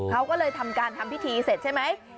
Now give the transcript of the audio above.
เขาก็เลยทำการทำพิธีเสร็จใช่ไหม